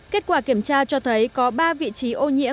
kết quả kiểm tra cho thấy có ba vị trí ô nhiễm